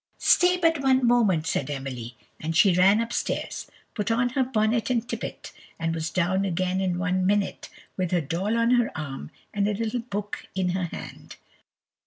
"Stay but one moment," said Emily, and she ran upstairs, put on her bonnet and tippet, and was down again in one minute, with her doll on her arm and a little book in her hand.